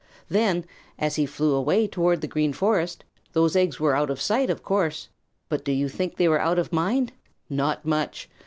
Then, as he flew away toward the Green Forest, those eggs were out of sight, of course. But do you think they were out of mind? Not much!